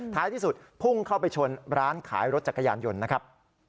ท้ายที่สุดพุ่งเข้าไปชนร้านขายรถจักรยานยนต์นะครับ